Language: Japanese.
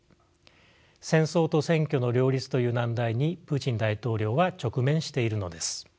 戦争と選挙の両立という難題にプーチン大統領は直面しているのです。